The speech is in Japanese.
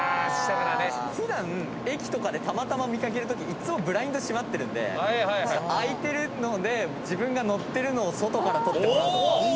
普段駅とかでたまたま見かける時いつもブラインド閉まってるんで開いてるので自分が乗ってるのを外から撮ってもらうとか。